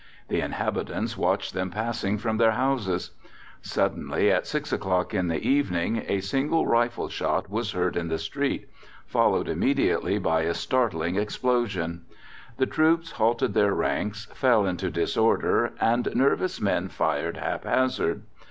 The inhabitants watched them passing from their houses. Suddenly, at 6 o'clock in the evening, a single rifle shot was heard in the street, followed immediately by a startling explosion. The troops halted, their ranks fell into disorder, and nervous men fired haphazard.